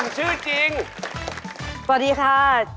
ใช่เหรอ